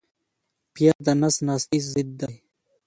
پیاز د نس ناستي ضد دی